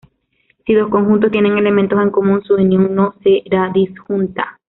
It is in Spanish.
Si dos conjuntos tienen elementos en común, su unión no será disjunta.